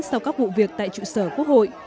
sau các vụ việc tại trụ sở quốc hội